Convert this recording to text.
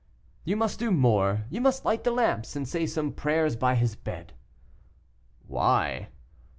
"You must do more; you must light the lamps, and say some prayers by his bed." "Why?"